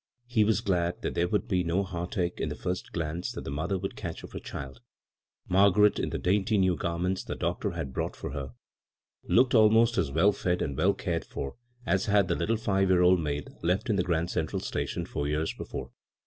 He was glad that there would be no heartache in the first glance that the mother would catch of her child. Margaret, in the dainty new garments the doctor had brought for her, looked almost as well fed and weU cared for as had the little five year old maid left in the Grand Central Station four years before.